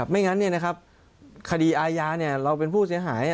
ไม่งั้นคดีอาญาเราเป็นผู้เสียหาย